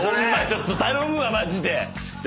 ちょっと頼むわマジで！